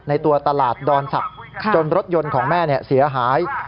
ตัวตลาดดอนศักดิ์จนรถยนต์ของแม่เสียหาย